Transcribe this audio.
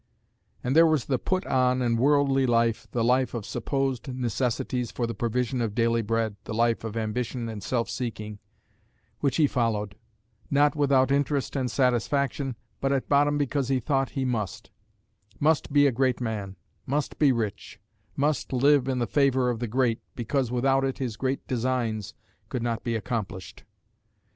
And there was the put on and worldly life, the life of supposed necessities for the provision of daily bread, the life of ambition and self seeking, which he followed, not without interest and satisfaction, but at bottom because he thought he must must be a great man, must be rich, must live in the favour of the great, because without it his great designs could not be accomplished.